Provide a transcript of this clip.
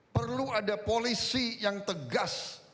perlu ada polisi yang tegas